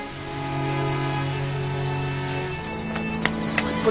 すいません。